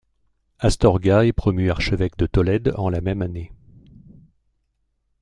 Astorga est promu archevêque de Tolède en la même année.